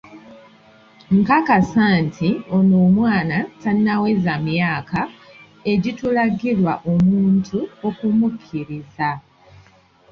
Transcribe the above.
Nkakasa nti ono omwana tannaweza myaka egitulagirwa omuntu okumukkiriza.